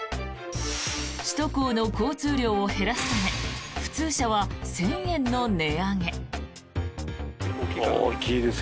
首都高の交通量を減らすため普通車は１０００円の値上げ。